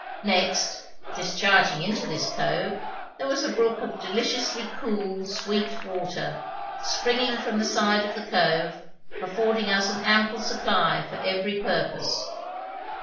Next, discharging into this cove there was a brook of deliciously cool, sweet water, springing from the side of the cove, affording us an ample supply for every purpose.